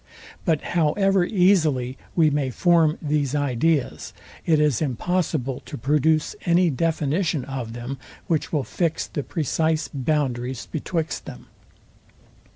But however easily we may form these ideas, it is impossible to produce any definition of them, which will fix the precise boundaries betwixt them.